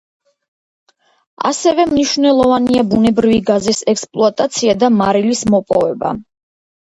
ასევე მნიშვნელოვანია ბუნებრივი გაზის ექსპლუატაცია და მარილის მოპოვება.